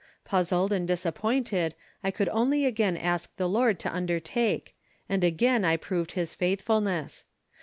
Puzzled and disappointed I could only again ask the Lord to undertake, and again I proved His faithfulness.